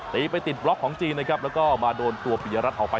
ไปติดบล็อกของจีนนะครับแล้วก็มาโดนตัวปียรัฐออกไป